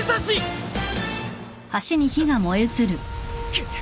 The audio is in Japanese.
くっ！